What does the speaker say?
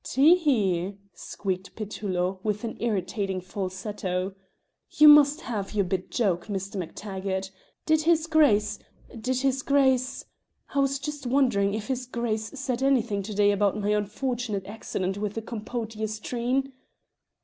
"Te he!" squeaked Petullo with an irritating falsetto. "You must have your bit joke, Mr. MacTaggart. Did his Grace did his Grace I was just wondering if his Grace said anything to day about my unfortunate accident with the compote yestreen."